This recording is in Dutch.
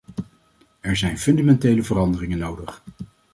Er zijn fundamentele veranderingen nodig.